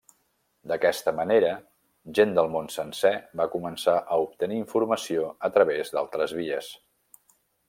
D'aquesta manera, gent del món sencer va començar a obtenir informació a través d'altres vies.